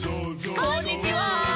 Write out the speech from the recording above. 「こんにちは」